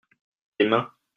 tes mains.